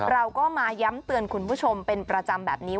เราก็มาย้ำเตือนคุณผู้ชมเป็นประจำแบบนี้